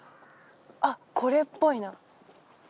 あっこれっぽいな。